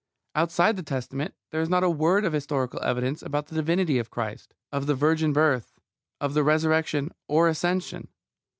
Outside the Testament there is not a word of historical evidence of the divinity of Christ, of the Virgin Birth, of the Resurrection or Ascension.